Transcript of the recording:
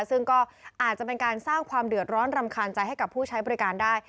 ซึ่งก็อาจจะเป็นการสร้างความเดือดร้อนรำคาญใจให้กับผู้ใช้บริการได้